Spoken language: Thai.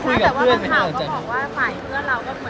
แต่ว่ามันข่าวก็บอกว่าฝ่ายเพื่อนเราก็